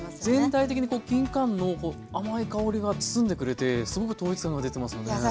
全体的にきんかんの甘い香りが包んでくれてすごく統一感が出てますよね。